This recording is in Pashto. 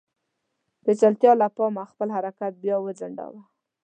پېچلتیا له امله خپل حرکت بیا وځنډاوه.